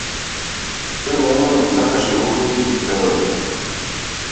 Тој најмногу ги сакаше ловот и теророт.